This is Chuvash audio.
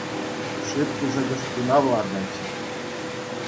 Шит пысӑкӑш хунав ларать.